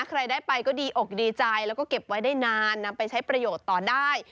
ใครได้ไปก็ดีอกดีใจแล้วก็เก็บไว้ได้นานนำไปใช้ประโยชน์ต่อได้